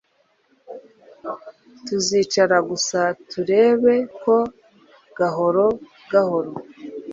tuzicara gusa turebe ko gahoro gahoro